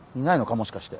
もしかして。